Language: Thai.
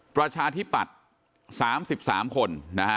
ประชาธิปัตย์๓๓คน